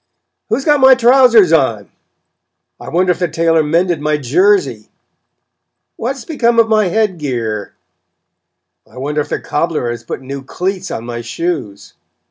"Who's got my trousers on?" "I wonder if the tailor mended my jersey?" "What has become of my head gear?" "I wonder if the cobbler has put new cleats on my shoes?"